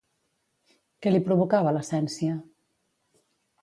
Què li provocava l'essència?